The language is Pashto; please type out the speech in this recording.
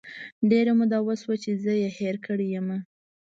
ډیره موده وشوه چې زه یې هیره کړی یمه